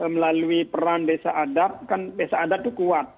melalui peran desa adat kan desa adat itu kuat